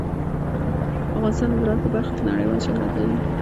افغانستان د زراعت په برخه کې نړیوال شهرت لري.